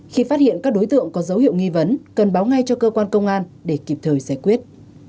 khi phát hiện các đối tượng có dấu hiệu nghi vấn cần báo ngay cho cơ quan công an để kịp thời giải quyết